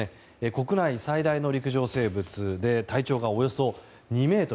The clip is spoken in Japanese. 国内最大の陸上生物で体長がおよそ２ｍ。